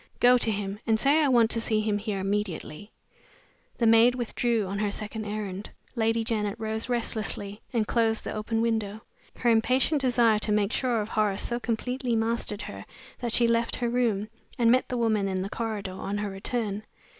"Go to him, and say I want to see him here immediately." The maid withdrew on her second errand. Lady Janet rose restlessly, and closed the open window. Her impatient desire to make sure of Horace so completely mastered her that she left her room, and met the woman in the corridor on her return.